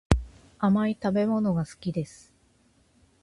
甘い食べ物が好きです